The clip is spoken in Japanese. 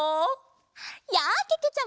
やあけけちゃま！